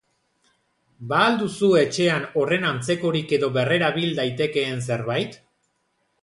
Ba al duzu etxean horren antzekorik edo berrerabil daitekeen zerbait?